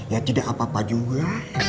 ya tidak apa apa juga